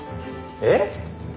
えっ？